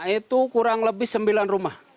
itu kurang lebih sembilan rumah